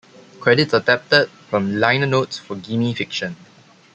Credits adapted from liner notes for "Gimme Fiction".